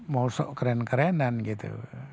jangan terus mau sok keren kerenan gitu